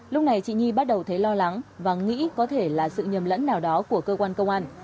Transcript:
lúc này chị nhi bắt đầu thấy lo lắng và nghĩ có thể là sự nhầm lẫn nào đó của cơ quan công an